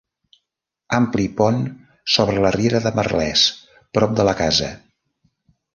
Ampli pont sobre la Riera de Merlès, prop de la casa.